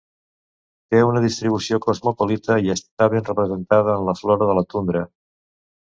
Té una distribució cosmopolita i està ben representada en la flora de la tundra.